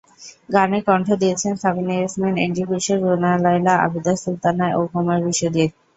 গানে কণ্ঠ দিয়েছেন সাবিনা ইয়াসমিন, এন্ড্রু কিশোর, রুনা লায়লা, আবিদা সুলতানা ও কুমার বিশ্বজিৎ।